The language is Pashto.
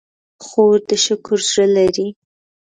خور د شکر زړه لري.